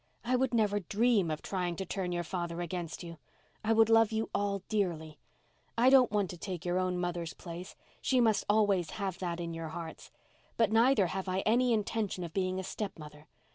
I would never dream of trying to turn your father against you. I would love you all dearly. I don't want to take your own mother's place—she must always have that in your hearts. But neither have I any intention of being a stepmother.